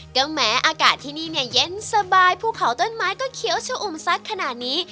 ก็แม้อากาศที่นี่เนี่ยเย็นสบายภูเขาต้นไม้ก็เขียวชะอุ่มซักขนาดนี้